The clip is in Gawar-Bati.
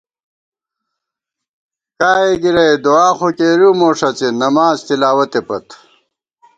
کائےگِرَئی دُعا خو کېرِؤ مو ݭڅِی ، نماڅ تِلاوَتے پت